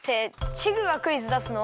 チグがクイズだすの？